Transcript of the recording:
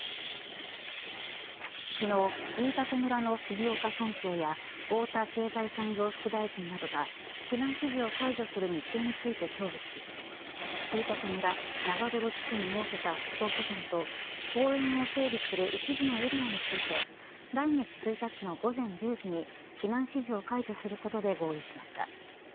昨日、飯舘村の杉岡村長や太田経済産業副大臣などが避難指示を解除する日程について協議し飯舘村長泥地区に設けた復興拠点と公園を整備する一部のエリアについて来月１日の午前１０時に避難指示を解除することで合意しました。